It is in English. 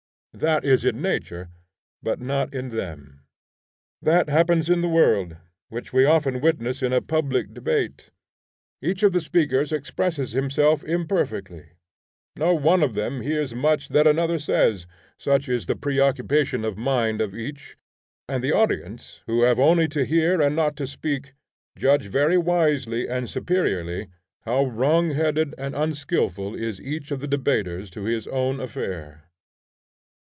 That is in nature, but not in them. That happens in the world, which we often witness in a public debate. Each of the speakers expresses himself imperfectly; no one of them hears much that another says, such is the preoccupation of mind of each; and the audience, who have only to hear and not to speak, judge very wisely and superiorly how wrongheaded and unskilful is each of the debaters to his own affair.